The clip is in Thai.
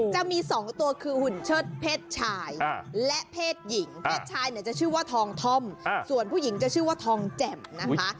จะมี๒ตัวคือหุ่นเชิดเพศชายและเพศหญิงเพศชายเนี่ยจะชื่อว่าทองท่อมส่วนผู้หญิงจะชื่อว่าทองแจ่มนะคะ